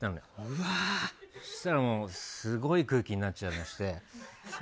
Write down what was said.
そうしたらすごい空気になっちゃいまして。